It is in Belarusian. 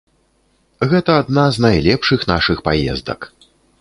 Гэта адна з найлепшых нашых паездак.